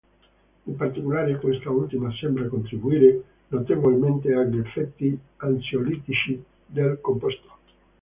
In particolare quest'ultima sembra contribuire notevolmente agli effetti ansiolitici del composto.